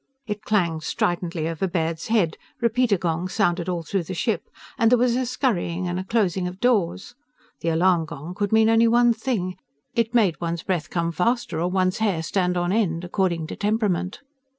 It clanged stridently over Baird's head, repeater gongs sounded all through the ship, and there was a scurrying and a closing of doors. The alarm gong could mean only one thing. It made one's breath come faster or one's hair stand on end, according to temperament.